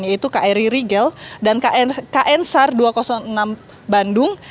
yaitu kri rigel dan kn sar dua ratus enam bandung